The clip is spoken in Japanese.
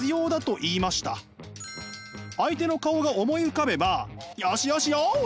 相手の顔が思い浮かべばよしよしよし！